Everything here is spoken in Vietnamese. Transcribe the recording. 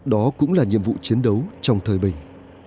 đó cũng là nhiệm vụ chiến đấu trong thời bình